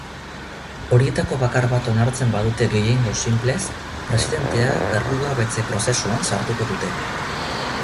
Horietako bakar bat onartzen badute gehiengo sinplez, presidentea kargugabetze-prozesuan sartuko dute.